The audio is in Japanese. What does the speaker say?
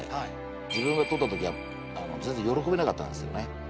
自分がとった時は全然喜べなかったんですよね。